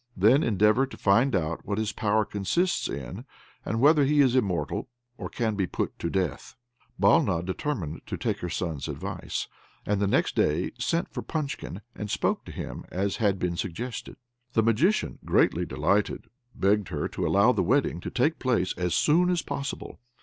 Then endeavour to find out what his power consists in, and whether he is immortal, or can be put to death." Balna determined to take her son's advice; and the next day sent for Punchkin, and spoke to him as had been suggested. The Magician, greatly delighted, begged her to allow the wedding to take place as soon as possible.